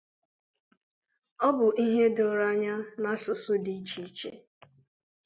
Ọ bụ ihe doro anya na asụsụ dị iche iche